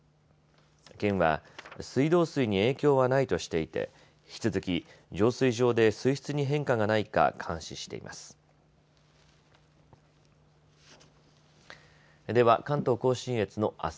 県は水道水に影響はないとしていて引き続き浄水場で水質に変化がないか監視しています。